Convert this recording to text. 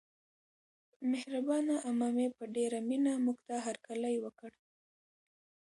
مهربانه عمه مې په ډېره مینه موږته هرکلی وکړ.